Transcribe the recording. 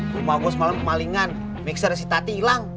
rumah gue semalam pemalingan mixer si tati hilang